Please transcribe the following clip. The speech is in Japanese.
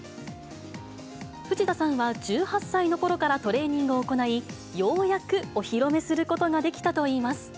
藤田さんは１８歳のころからトレーニングを行い、ようやくお披露目することができたといいます。